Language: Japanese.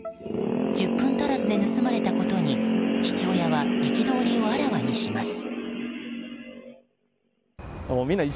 １０分足らずで盗まれたことに父親は憤りをあらわにします。